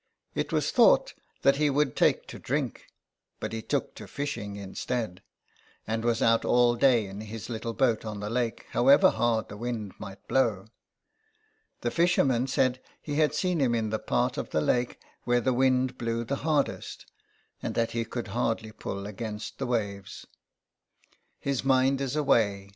It was thought that he would take to drink, but he took to fishing instead, and was out all day in his little boat on the lake, however hard the wind might blow. The fisherman said he had seen him in the part of the lake where the wind blew the hardest, and that he could hardly pull against the waves. "His mind is away.